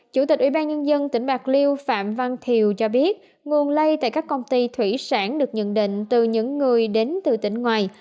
chủ tịch ủy ban nhân dân tỉnh bạc liêu phạm văn thiều cho biết nguồn lây tại các công ty thủy sản được nhận định từ những người đến từ tỉnh ngoài